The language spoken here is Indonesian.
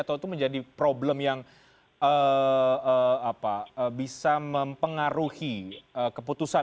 atau itu menjadi problem yang bisa mempengaruhi keputusan